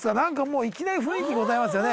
いきなり雰囲気がございますよね